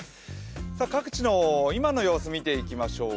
各地の今の様子を見ていきましょう。